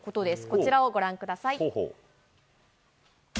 こちらをご覧ください。